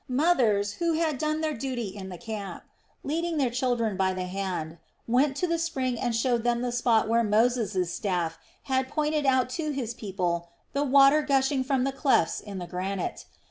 Mothers who had done their duty in the camp, leading their children by the hand went to the spring and showed them the spot where Moses' staff had pointed out to his people the water gushing from the clefts in the granite.